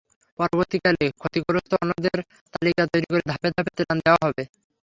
পরবর্তীকালে ক্ষতিগ্রস্ত অন্যদের তালিকা তৈরি করে ধাপে ধাপে ত্রাণ দেওয়া হবে।